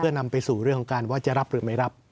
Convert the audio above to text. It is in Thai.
นำไปสู่เรื่องของการว่าจะรับหรือไม่รับ